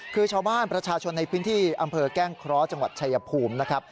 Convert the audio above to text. คือชาวบ้านประชาชนในพื้นที่อำเภอแก้งเคราะห์จังหวัดชายภูมินะครับ